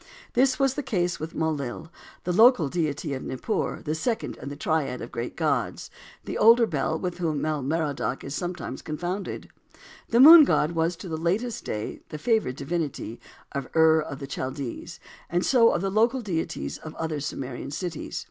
This was the case with Mul lil, the local deity of Nippur, the second in the triad of great gods, the older Bel, with whom Bel Merodach is sometimes confounded. The Moon God was to the latest day the favored divinity of Ur of the Chaldees, and so of the local deities of other Sumerian cities.